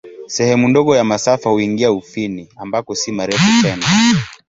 Sehemu ndogo ya masafa huingia Ufini, ambako si marefu tena.